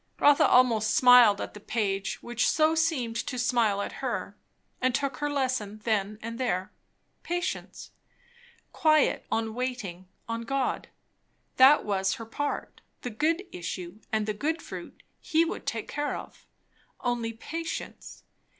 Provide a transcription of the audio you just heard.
Rotha almost smiled at the page which so seemed to smile at her; and took her lesson then and there. Patience. Quiet on waiting on God. That was her part; the good issues and the good fruit he would take care of. Only patience!